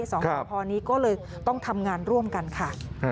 สพนี้ก็เลยต้องทำงานร่วมกันค่ะ